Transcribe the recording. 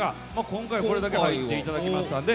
今回、これだけ入っていただきましたんで。